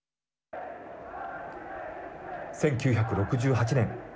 １９６８年